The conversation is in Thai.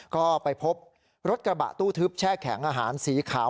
ก็ไปพบรถกระบะตู้ทึบแช่แข็งอาหารสีขาว